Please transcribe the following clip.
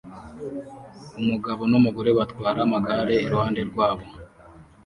Umugabo n'umugore batwara amagare iruhande rwabo